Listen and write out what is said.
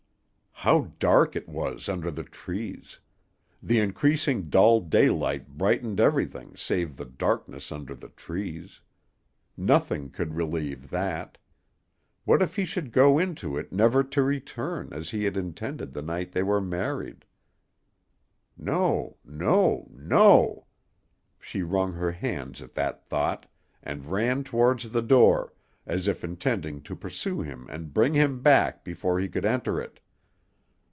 How dark it was under the trees! The increasing dull daylight brightened everything save the darkness under the trees; nothing could relieve that. What if he should go into it never to return, as he had intended the night they were married! No, no, no; she wrung her hands at that thought, and ran towards the door, as if intending to pursue him and bring him back before he could enter it.